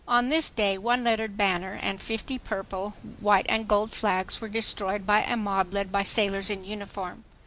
On this day one lettered banner and fifty purple, white and gold flags were destroyed by a mob led by sailors in uniform.